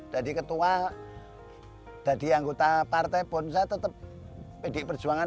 ketua jadi anggota partai pun saya tetap pdi perjuangan